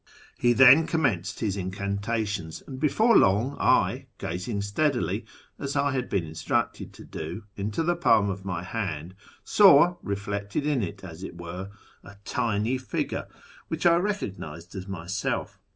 He then commenced his incantations ; and before long I, gazing steadily, as I had been instructed to do, into the palm of my hand, saw, reflected iu it as it were, a tiny figure which I recognised as myself.